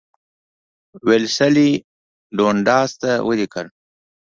ویلسلي ډونډاس ته ولیکل.